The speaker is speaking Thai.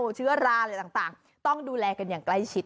ดอกใหญ่ขายอยู่ที่ราคาดอกละ๒บาท